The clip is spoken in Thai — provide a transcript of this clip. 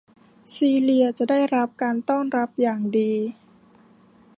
ซีเลียจะได้รับการต้อนรับอย่างดี